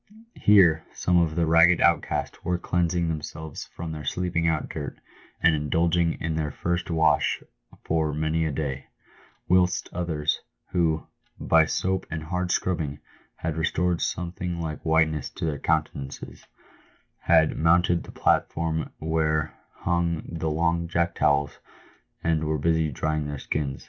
Here some of the ragged outcasts were cleansing themselves from their sleeping out dirt, and indulging in their first wash for many a day ; whilst others, who, by soap and hard scrub bing, had restored something like whiteness to their countenances, had mounted the platform where hung the long jack towels, and were busy drying their skin.